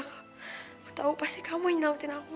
gue tau pasti kamu yang nyelamatin aku